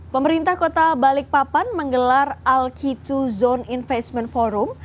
pemerintah kota balikpapan menggelar alki dua zone investment forum